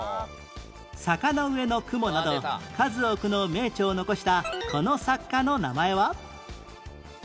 『坂の上の雲』など数多くの名著を残したこの作家の名前は？